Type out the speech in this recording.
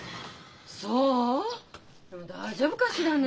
そう大丈夫かしらね。